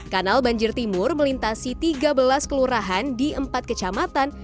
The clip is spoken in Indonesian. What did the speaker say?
kanal banjir timur melintasi tiga belas kelurahan di empat kecamatan